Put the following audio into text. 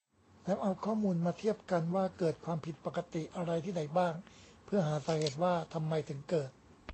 แล้วเอาข้อมูลมาเทียบกัน ว่าเกิดความผิดปกติอะไรที่ไหนบ้าง เพื่อหาสาเหตุ ว่าทำไมถึงเกิด